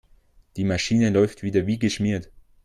Die Maschine läuft wieder wie geschmiert.